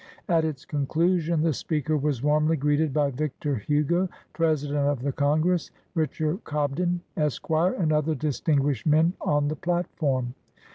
At its con clusion, the speaker was warmly greeted by Victor Hugo, President of the Congress, Richard Cobden, Esq., and other distinguished men on the platform.